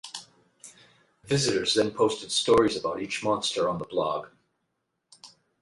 Visitors then posted stories about each monster on the blog.